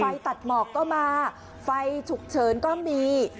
ตัดหมอกก็มาไฟฉุกเฉินก็มี